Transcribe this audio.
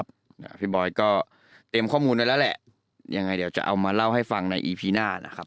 อ่าพี่บอยก็เตรียมข้อมูลไว้แล้วแหละยังไงเดี๋ยวจะเอามาเล่าให้ฟังในอีพีหน้านะครับ